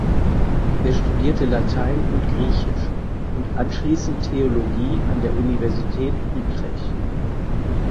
Er studierte Latein und Griechisch und anschließend Theologie an der Universität Utrecht.